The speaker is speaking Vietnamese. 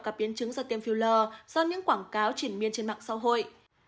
gặp biến chứng do tiêm filler do những quảng cáo triển miên trên mạng xã hội